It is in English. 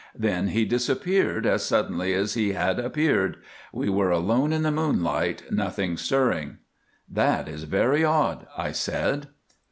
Then he disappeared as suddenly as he had appeared. We were alone in the moonlight, nothing stirring." "That is very odd," I said.